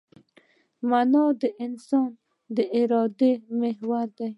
مانا د انسان د ارادې محور دی.